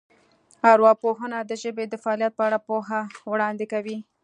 ارواپوهنه د ژبې د فعالیت په اړه پوهه وړاندې کوي